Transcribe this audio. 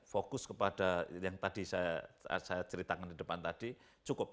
fokus kepada yang tadi saya ceritakan di depan tadi cukup